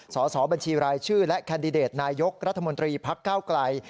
สอบบัญชีรายชื่อและแคนดิเดตนายกรัฐมนตรีพักเก้าไกล